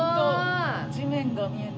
地面が見えて。